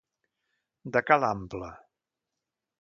De ca l'ample.